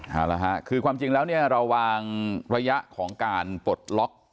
เอาละค่ะคือความจริงแล้วเนี่ยเราวางระยะของการปลดล็อก